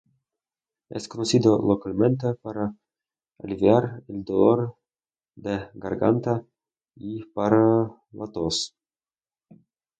Es conocido localmente para aliviar el dolor de garganta y para la tos.